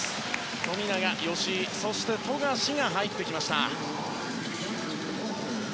富永、吉井そして、富樫が入ってきました。